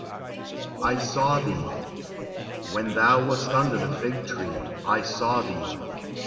I SAW THEE. " When thou wast under the fig tree, I saw thee."